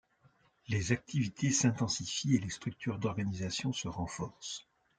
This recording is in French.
Les activités s'intensifient et les structures d'organisation se renforcent.